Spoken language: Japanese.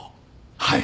はい。